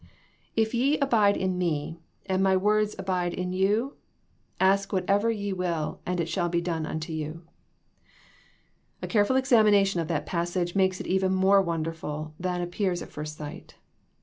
If ye abide in Me, and My words abide in you, ask whatsoever ye will, and it shall be done unto you." A careful examination of that passage makes it even more wonderful than ap pears at first sight.